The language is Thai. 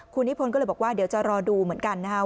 คุณนิพนธ์ก็เลยบอกว่าเดี๋ยวจะรอดูเหมือนกันนะครับ